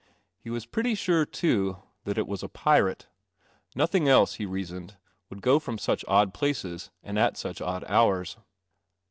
He was pretty sure, too, that it was a Pirate; nothing else, he reasoned, would go from such odd places and at such odd hours.